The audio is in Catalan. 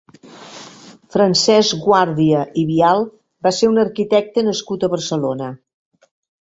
Francesc Guàrdia i Vial va ser un arquitecte nascut a Barcelona.